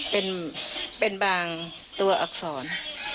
เป็นบางตัวอักษร